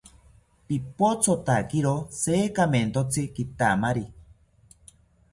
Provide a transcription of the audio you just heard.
Pipothotakiro jekamentotzi kitamari